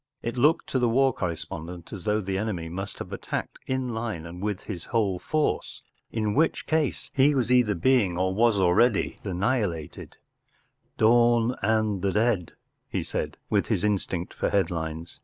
It looked to the war correspondent as though the enemy must have attacked in line and with his whole force—in which case he was either being or was already annihilated, “ Dawn and the Dead,” he said, with his instinct for headlines.